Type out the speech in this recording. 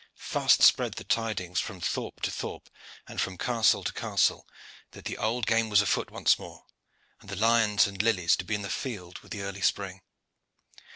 Fast spread the tidings from thorpe to thorpe and from castle to castle, that the old game was afoot once more, and the lions and lilies to be in the field with the early spring.